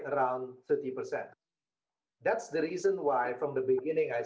akan menjadi kecil itu sebabnya